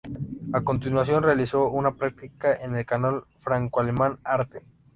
A continuación realizó una prácticas en el canal franco-alemán Arte.